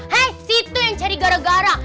head situ yang cari gara gara